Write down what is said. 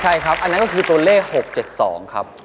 ใช่ครับอันนั้นก็คือตัวเลข๖๗๒ครับ